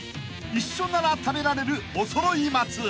［一緒なら食べられるおそろい松］